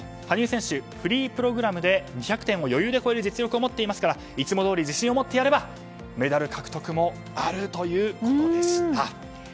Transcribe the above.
羽生選手、フリープログラムで２００点を余裕で超える実力を持っていますからいつもどおり自信をもってやればメダル獲得もあるということでした。